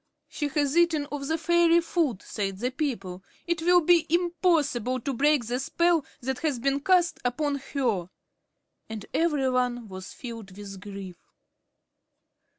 "She has eaten of the fairy food," said the people. "It will be impossible to break the spell that has been cast upon her." And every one was filled with grief.